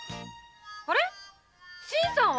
あれ新さんは？